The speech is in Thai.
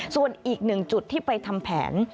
ส่วนอีกหนึ่งจุดที่ไปทำแผน